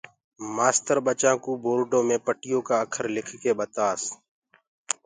مآستر ٻچآنٚ ڪو بورڊو مي پٽيو ڪآ اکر لک ڪي دکاس